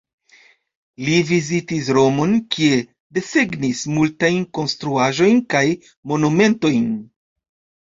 Li vizitis Romon, kie desegnis multajn konstruaĵojn kaj monumentojn.